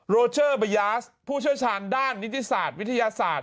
โรเชอร์บายาสผู้เชี่ยวชาญด้านนิติศาสตร์วิทยาศาสตร์